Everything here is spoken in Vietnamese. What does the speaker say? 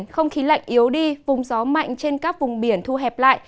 không khí lạnh yếu đi vùng gió mạnh trên các vùng biển thu hẹp lại